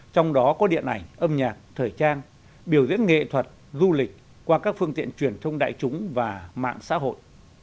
trong đó có điện ảnh âm nhạc thời trang biểu diễn nghệ thuật du lịch qua các phương tiện truyền thông đại chúng và mạng xã hội